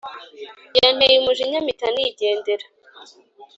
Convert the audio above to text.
yanteye umujinya mpita nigendera